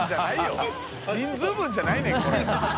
人数分じゃないねんこれ。